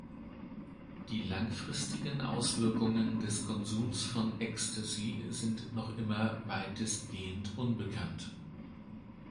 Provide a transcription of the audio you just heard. Die langfristigen Auswirkungen des Konsums von Ecstasy sind noch immer weitestgehend unbekannt.